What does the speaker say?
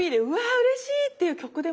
うれしいっていう曲でも。